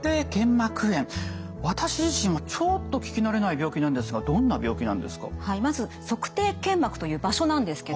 私自身はちょっと聞き慣れない病気なんですがどんな病気なんですか？